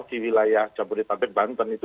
di wilayah jabodetabek banten itu